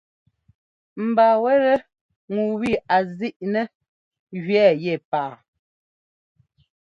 Mba wɛ́tɛ́ ŋu wi a zíʼnɛ́ jʉ́ɛ́ yɛ paa.